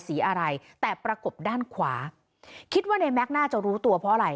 สีอะไรแต่ประกบด้านขวาคิดว่าในแม็กซ์น่าจะรู้ตัวเพราะอะไร